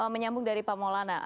menyambung dari pak maulana